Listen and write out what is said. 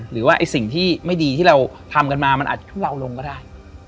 หรือว่าสิ่งที่ไม่ดีที่เราทำกันมามันอาจจะทุเลาลงก็ได้